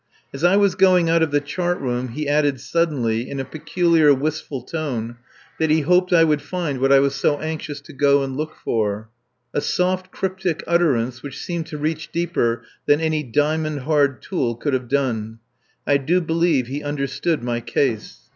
As I was going out of his cabin he added suddenly, in a peculiar wistful tone, that he hoped I would find what I was so anxious to go and look for. A soft, cryptic utterance which seemed to reach deeper than any diamond hard tool could have done. I do believe he understood my case.